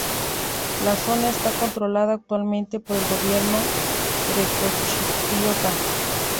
La zona está controlada actualmente por el gobierno grecochipriota.